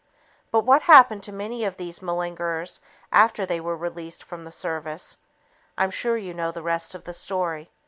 But what happened to many of these malingerers after they were released from the service? I'm sure you know the rest of the story.